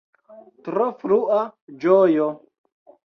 Tro frua ĝojo!